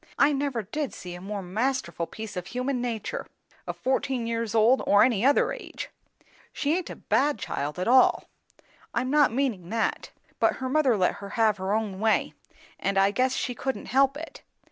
I never did see a more masterful piece of human nature, of fourteen years old or any other age. She aint a bad child at all; I'm not meaning that; but her mother let her have her own way, and I guess she couldn't help it.